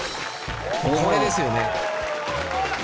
これですよね。